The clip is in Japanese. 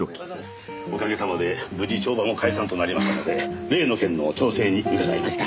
おかげさまで無事帳場も解散となりましたので例の件の調整に伺いました。